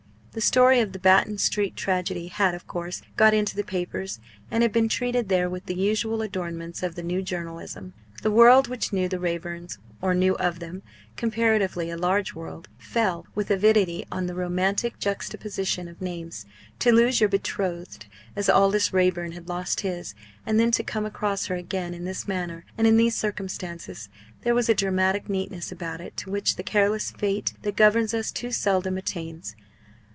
The story of the Batton Street tragedy had, of course, got into the papers, and had been treated there with the usual adornments of the "New Journalism." The world which knew the Raeburns or knew of them comparatively a large world fell with avidity on the romantic juxtaposition of names. To lose your betrothed as Aldous Raeburn had lost his, and then to come across her again in this manner and in these circumstances there was a dramatic neatness about it to which the careless Fate that governs us too seldom attains.